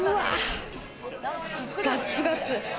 ガツガツ。